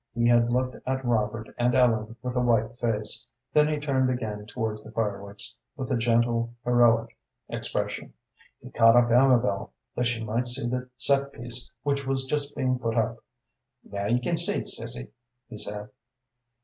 He had looked at Robert and Ellen with a white face, then he turned again towards the fireworks with a gentle, heroic expression. He caught up Amabel that she might see the set piece which was just being put up. "Now you can see, Sissy," he said.